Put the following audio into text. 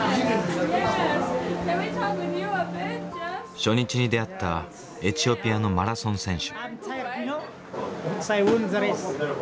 初日に出会ったエチオピアのマラソン選手。